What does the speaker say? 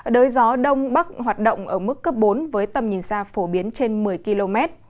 đới gió đông bắc hoạt động ở mức cấp bốn với tầm nhìn xa phổ biến trên một mươi km